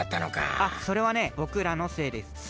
あっそれはねぼくらのせいです。